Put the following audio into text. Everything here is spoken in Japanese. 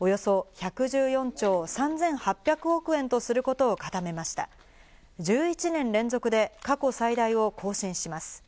１１年連続で過去最大を更新します。